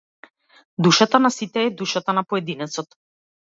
Душата на сите е душата на поединецот.